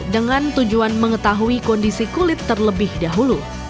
dengan tujuan mengetahui kondisi kulit terlebih dahulu